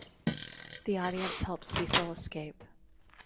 The audience helps Cecil escape.